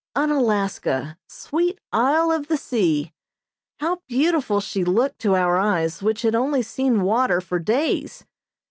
Unalaska, sweet isle of the sea! How beautiful she looked to our eyes which had only seen water for days!